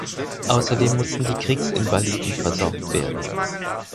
Außerdem mussten die Kriegsinvaliden versorgt werden.